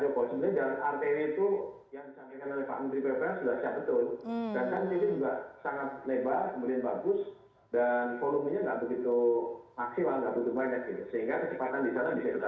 sehingga kecepatan di sana bisa lebih bagus